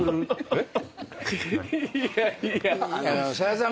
えっ！